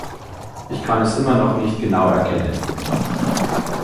Ich kann es immer noch nicht genau erkennen.